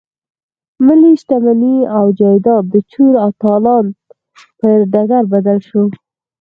ملي شتمني او جايداد د چور او تالان پر ډګر بدل شو.